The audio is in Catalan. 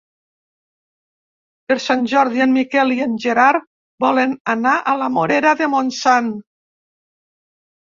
Per Sant Jordi en Miquel i en Gerard volen anar a la Morera de Montsant.